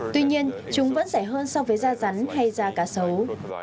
tuy nhiên chúng vẫn rẻ hơn so với da rắn hay da cá sấu